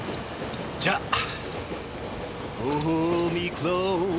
じゃあ！